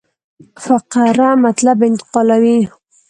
فقره مطلب انتقالوي.